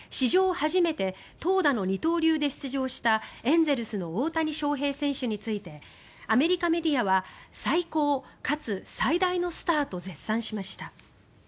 初めて投打の二刀流で出場したエンゼルスの大谷翔平選手についてアメリカメディアは最高かつ最大のスターと絶賛しました。